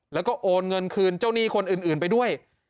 แล้วก็โอนเงินคืนเจ้าหนี้คนอื่นไปด้วย